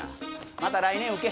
また来年受け。